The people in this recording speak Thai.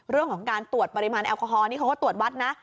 เรื่องของการตรวจปริมาณแอลกอฮอลนี่เขาก็ตรวจวัดนะ